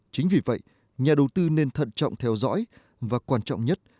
chính vì vậy nhà đầu tư nên thận trọng theo dõi và quan trọng nhất